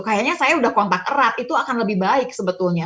kayaknya saya sudah kontak erat itu akan lebih baik sebetulnya